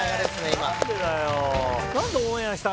今何でだよ